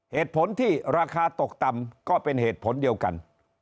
เหตุผลที่ราคาตกต่ำก็เป็นเหตุผลเดียวกัน